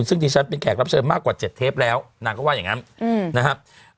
ซึ่งดิฉันเป็นแขกรับเชิญมากกว่า๗เทปแล้วนางก็ว่าอย่างนั้นนะครับ